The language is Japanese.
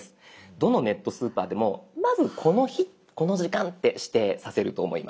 どのネットスーパーでもまずこの日この時間って指定させると思います。